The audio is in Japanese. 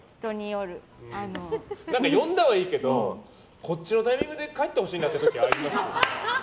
呼んだはいいけどこっちのタイミングで帰ってほしいなって時はありますよね。